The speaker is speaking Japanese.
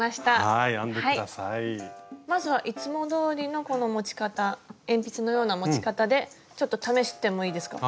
まずはいつもどおりのこの持ち方鉛筆のような持ち方でちょっと試してもいいですか？